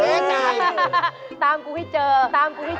อย่าไปแก้ข้างหน้าเพราะว่าหายเลยทำอย่างนี้ไม่มีบ่น